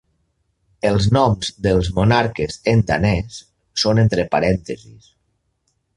Els noms dels monarques en danès són entre parèntesis.